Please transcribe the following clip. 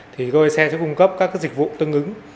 thì coi xe sẽ cung cấp các dịch vụ tương ứng